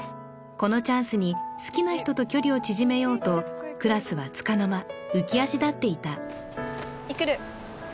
このチャンスに好きな人と距離を縮めようとクラスはつかの間浮足立っていた育